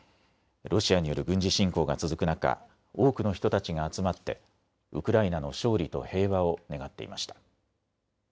ロシアによる軍事侵攻が続く中、多くの人たちが集まってウクライナの勝利と平和を願っていました。